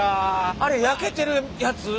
あれ焼けてるやつ？